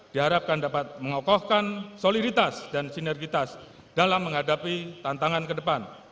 diharapkan dapat mengokohkan soliditas dan sinergitas dalam menghadapi tantangan ke depan